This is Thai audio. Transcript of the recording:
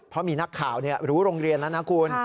เพราะมีนักข่าวรู้โรงเรียนแล้วนะคุณ